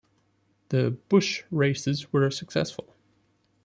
The Busch races were successful.